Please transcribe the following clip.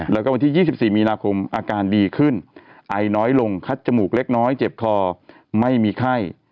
แล้วก็วันที่๒๔มีนาคมอาการดีขึ้นไอน้อยลงคัดจมูกเล็กน้อยเจ็บคอไม่มีไข้